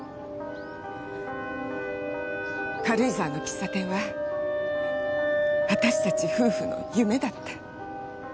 軽井沢の喫茶店は私たち夫婦の夢だった。